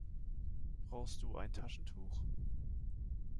Brauchst du ein Taschentuch?